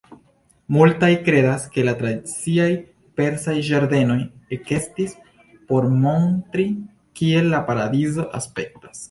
Multaj kredas ke la tradiciaj persaj ĝardenoj ekestis por montri kiel la paradizo aspektas.